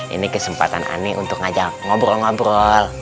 ini kesempatan ani untuk ngajak ngobrol ngobrol